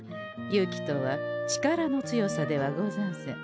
勇気とは力の強さではござんせん。